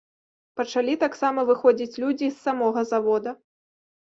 Пачалі таксама выходзіць людзі і з самога завода.